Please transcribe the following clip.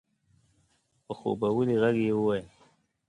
په خوبولي غږ يې وويل؛